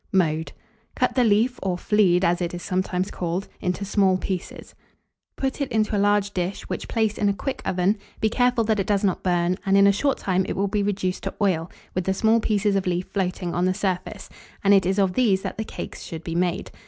Mode. Cut the leaf, or flead, as it is sometimes called, into small pieces; put it into a large dish, which place in a quick oven; be careful that it does not burn, and in a short time it will be reduced to oil, with the small pieces of leaf floating on the surface; and it is of these that the cakes should be made.